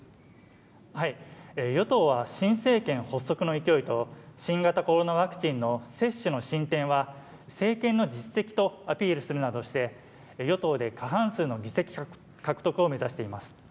与党は新政権発足の勢いと新型コロナワクチンの接種の進展は政権の実績とアピールするなどして与党で過半数の議席獲得を目指しています